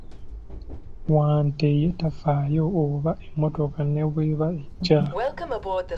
Wante ye tafaayo oba emmotoka ne bw'eba ejja.